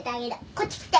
こっち来て。